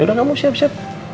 yaudah kamu siap siap